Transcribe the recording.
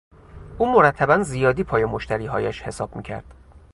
او مرتبا زیادی پای مشتریهایش حساب میکرد.